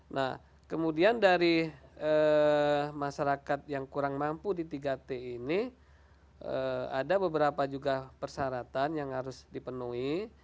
nah kemudian dari masyarakat yang kurang mampu di tiga t ini ada beberapa juga persyaratan yang harus dipenuhi